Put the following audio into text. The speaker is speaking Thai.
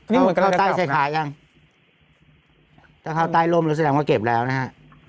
เต้าใต้สายขายอย่างถ้าเก็บแต้โลมรู้สึกเหมือนว่าเก็บแล้วนะฮะ